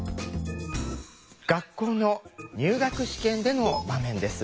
学校の入学試験での場面です。